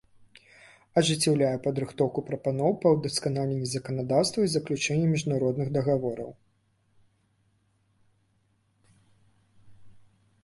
Ажыццяўляе падрыхтоўку прапаноў па ўдасканаленнi заканадаўства i заключэннi мiжнародных дагавораў.